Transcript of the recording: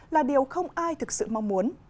là điều không ai thực sự mong muốn